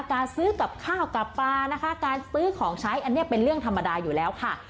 การซื้อกับข้าวกับปลานะคะการซื้อของใช้อันนี้เป็นเรื่องธรรมดาอยู่แล้วค่ะ